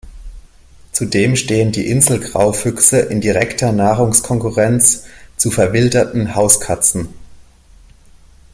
Zudem stehen die Insel-Graufüchse in direkter Nahrungskonkurrenz zu verwilderten Hauskatzen.